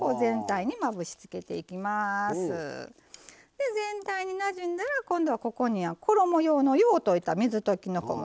で全体になじんだら今度はここに衣用のよう溶いた小麦粉ね。